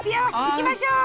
行きましょう！